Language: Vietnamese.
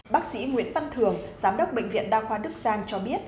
bác sĩ nguyễn văn thường giám đốc bệnh viện đa khoa đức giang cho biết